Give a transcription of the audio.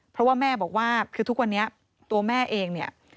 เพราะว่าแม่บอกว่าคือทุกวันนี้ตัวแม่เองเนี่ย